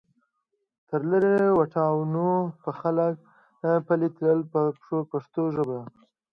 تر لرې واټنونو به خلک پلی تلل په پښتو ژبه.